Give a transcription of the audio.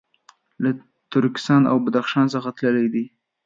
له ترکستان او بدخشان څخه تللي دي.